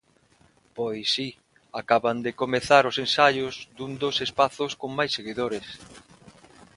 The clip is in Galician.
Pois si, acaban de comezar os ensaios dun dos espazos con máis seguidores.